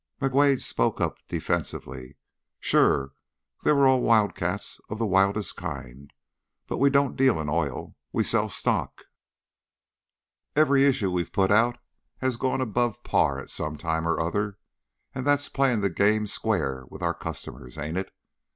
McWade spoke up, defensively: "Sure. They were all wildcats of the wildest kind. But we don't deal in oil, we sell stock. Every issue we've put out has gone above par at some time or other, and that's playing the game square with our customers, ain't it?